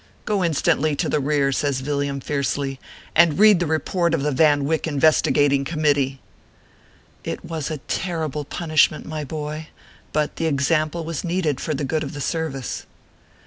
Go instantly to the rear/ says Yilliam, fiercely, "and read the Keport of the Yan Wyck Investigating Committee/ It was a terrible punishment, my boy, but the ex ample was needed for the good of the service.